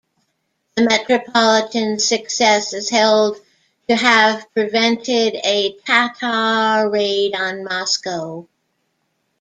The metropolitan's success is held to have prevented a Tatar raid on Moscow.